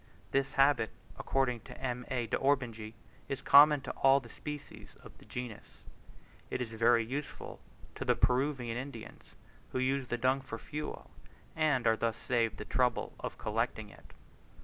This habit, according to M. A. d'Orbigny, is common to all the species of the genus; it is very useful to the Peruvian Indians, who use the dung for fuel, and are thus saved the trouble of collecting it.